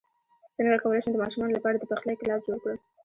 څنګه کولی شم د ماشومانو لپاره د پخلی کلاس جوړ کړم